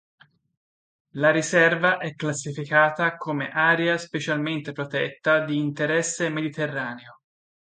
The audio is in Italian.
La riserva è classificata come Area specialmente protetta di interesse mediterraneo.